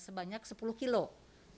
minyak sepuluh kg